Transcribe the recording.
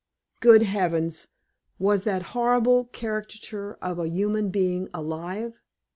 Good heavens! was that horrible caricature of a human being alive?